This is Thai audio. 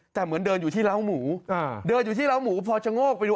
แต่เหมือนเดินอยู่ที่เล้าหมูเดินอยู่ที่เล้าหมูพอชะโงกไปดู